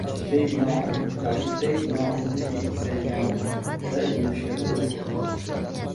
Yoshlikdagi gunohimizni keksayganda yuvishga to‘g‘ri keladi.